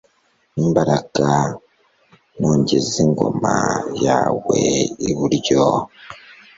imbaraga, nogeze ingoma yawe iburyo